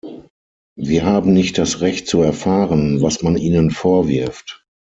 Wir haben nicht das Recht zu erfahren, was man ihnen vorwirft.